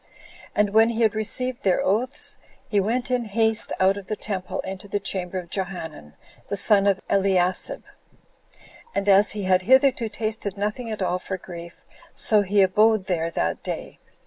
And when he had received their oaths, he went in haste out of the temple into the chamber of Johanan, the son of Eliasib, and as he had hitherto tasted nothing at all for grief, so he abode there that day.